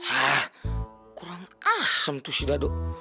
hah kurang asem tuh si dado